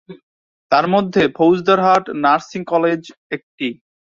তার মধ্যে Fauzdarhat nursing college একটি।